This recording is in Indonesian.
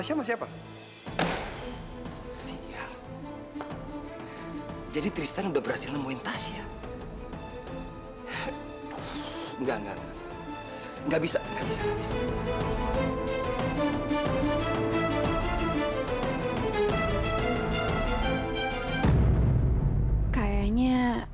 sampai jumpa di video selanjutnya